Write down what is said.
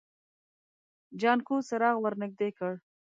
جانکو څراغ ور نږدې کړ.